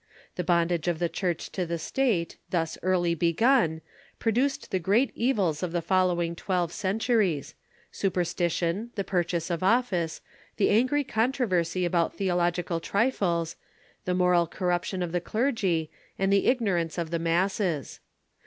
The bondage of the Church to the State, thus early begun, produced the great evils of the following twelve centuries — superstition, the purchase of office, the angry controversy about theological trifles, the moral corruption of the clergy, and the ignorance of the masses.